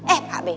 eh pak b